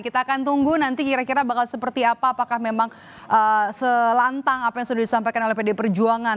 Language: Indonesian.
kita akan tunggu nanti kira kira bakal seperti apa apakah memang selantang apa yang sudah disampaikan oleh pd perjuangan